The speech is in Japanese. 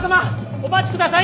お待ちください！